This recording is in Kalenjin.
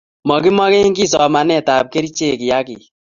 makimeken kiy somanetab kerchekab kiagik.